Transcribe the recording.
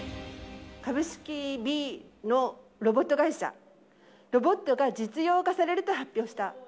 株式Ｂのロボット会社、ロボットが実用化されると発表した。